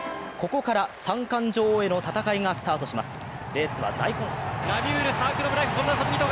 ここから三冠女王への戦いがスタートします。